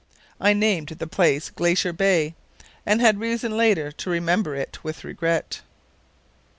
I named the place Glacier Bay, and had reason later to remember it with regret.